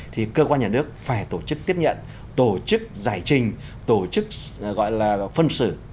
thì cơ quan nhà nước phải tổ chức tiếp nhận tổ chức giải trình tổ chức gọi là phân xử